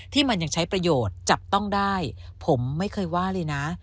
ที่มันยังใช้ประโยชน์จับต้องได้ผมไม่เคยว่าเลยนะ